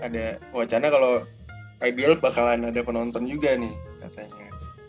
ada wacana kalau ibl bakalan ada penonton juga nih katanya